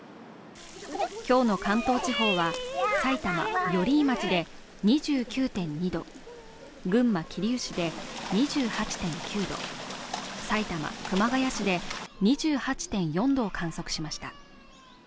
今日の関東地方は、埼玉・寄居町で２９．２度、群馬・桐生市で２８．９度、埼玉・熊谷市で２８．４度を観測しました。